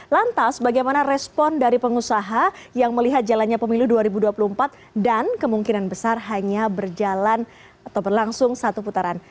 lantas bagaimana respon dari pengusaha yang melihat jalannya pemilu dua ribu dua puluh empat dan kemungkinan besar hanya berjalan atau berlangsung satu putaran